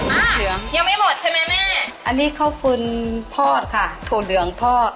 อ่ะยังไม่หมดใช่ไหมแม่อันนี้ข้าวฟื้นทอดค่ะโถ่เดืองทอด